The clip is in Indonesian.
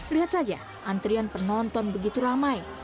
lihat saja antrian penonton begitu ramai